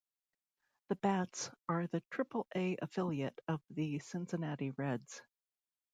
The Bats are the Triple-A affiliate of the Cincinnati Reds.